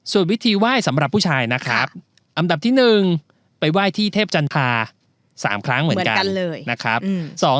ส่วนวิธีไหว้สำหรับผู้ชายนะครับอันดับที่๑ไปไหว้ที่เทพจันทรา๓ครั้งเหมือนกันเลยนะครับ